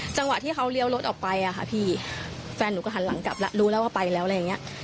จังหวะที่เขาเลี้ยวรถออกไปอ่ะค่ะพี่แฟนหนูก็หันหลังกลับแล้วรู้แล้วว่าไปแล้วอะไรอย่างเงี้ย